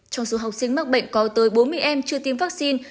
trong số học sinh mắc bệnh có tới bốn mươi em chưa tiêm vaccine